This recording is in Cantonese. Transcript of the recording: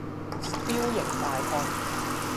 彪形大漢